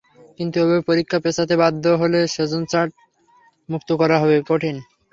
কিন্তু এভাবে পরীক্ষা পেছাতে বাধ্য হলে সেশনজট মুক্ত করা কঠিন হবে।